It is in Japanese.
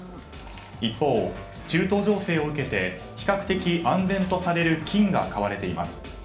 一方、中東情勢を受けて比較的安全とされる金が買われています。